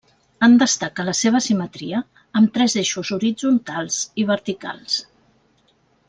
En destaca la seva simetria, amb tres eixos horitzontals i verticals.